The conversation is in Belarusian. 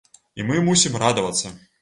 І мы мусім радавацца!